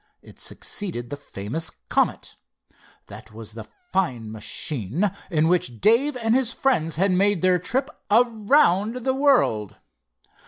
It succeeded the famous Comet. That was the fine machine in which Dave and his friends had made their trip around the world.